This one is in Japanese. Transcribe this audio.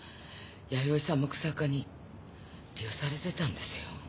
弥生さんも日下に利用されてたんですよ。